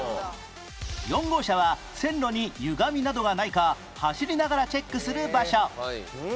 ４号車は線路にゆがみなどがないか走りながらチェックする場所